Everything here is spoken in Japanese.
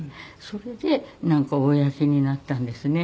それでなんか公になったんですね。